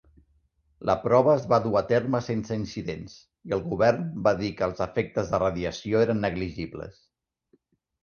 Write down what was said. La prova es va dur a terme sense incidents, i el govern va dir que els efectes de radiació eren negligibles.